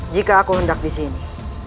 jika aku hendak disini